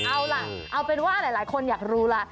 เอาล่ะเอาเป็นว่าหลายคนอยากรู้ล่ะ